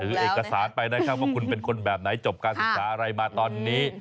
เอกสารไปนะครับว่าคุณเป็นคนแบบไหนจบการศึกษาอะไรมาตอนนี้